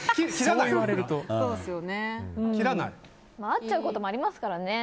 会っちゃうこともありますからね。